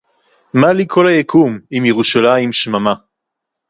מַה לִּי כָּל הַיְקוּם, אִם יְרוּשָׁלַיִם שְׁמָמָה